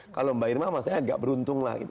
kalau mbak irma saya agak beruntung lah